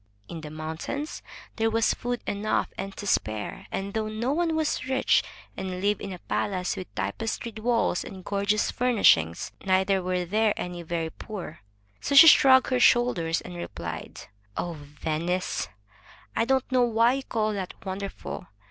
In the moimtains there was food enough and to spare, and though no one was rich and lived in a palace with tapestried walls and gorgeous furnishings, neither were there any very poor. So she shrugged her shoulders and replied: "Oh, Venice! I don't know why you call that wonderful.